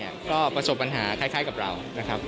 ก็ประสบปัญหาคล้ายกับเรานะครับ